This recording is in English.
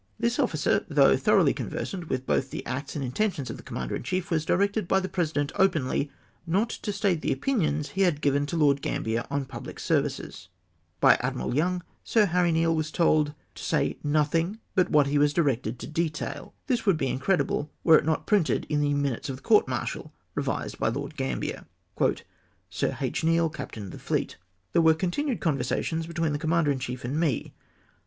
This officer, though thoroughly conversant with both the acts and mtentions of the commander in chief, was directed by the President openly, not to state the opinions he had given to Lord Gamhier on j^ublic ser vices ! By Admkal Young Sir Harry Neale was told to say nothing hut what he ivas directed to detail ! This would be incredible were it not printed in " Minutes of the Court Martial, revised by Lord Gambler !" Sir H. Neale (Captain of the Fleet). — "There were conti nued conversations between the Commander in chief and me.